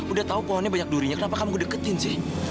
udah tahu pohonnya banyak durinya kenapa kamu deketin sih